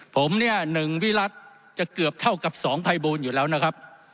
ผมเนี่ย๑วิรัติจะเกือบเท่ากับ๒ภัยบูลอยู่แล้วนะครับ